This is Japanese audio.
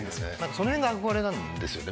そのへんが憧れなんですよね